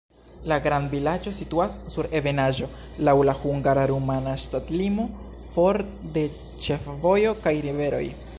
La grandvilaĝo situas sur ebenaĵo, laŭ la hungara-rumana ŝtatlimo, for de ĉefvojo kaj rivero.